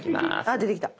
あ出てきた。